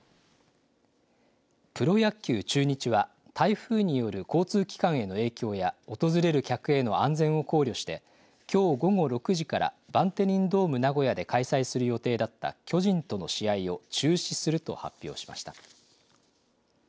プロ野球・中日は、台風による交通機関への影響や、訪れる客への安全を考慮して、きょう午後６時からバンテリンドームナゴヤで開催する予定だった巨人との試合を中止すると発表しました。